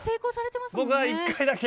僕は１回だけ。